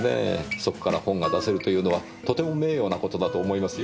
そこから本が出せるというのはとても名誉な事だと思いますよ。